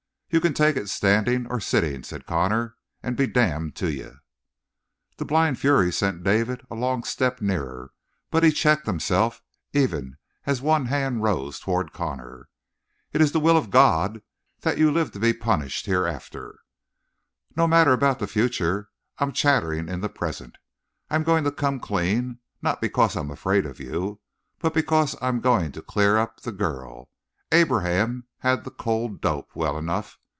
"You can take it standing or sitting," said Connor, "and be damned to you!" The blind fury sent David a long step nearer, but he checked himself even as one hand rose toward Connor. "It is the will of God that you live to be punished hereafter." "No matter about the future. I'm chattering in the present. I'm going to come clean, not because I'm afraid of you, but because I'm going to clear up the girl. Abraham had the cold dope, well enough.